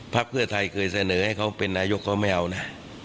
เพื่อไทยเคยเสนอให้เขาเป็นนายกเขาไม่เอานะ